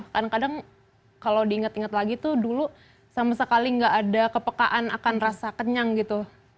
kadang kadang kalau diingat ingat lagi tuh dulu sama sekali nggak ada kepekaan akan rasa kenyang gitu